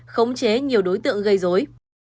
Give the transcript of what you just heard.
khống chế nhiều đối tượng gây dối